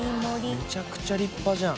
めちゃくちゃ立派じゃん。